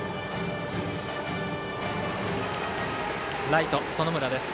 ライト、園村です。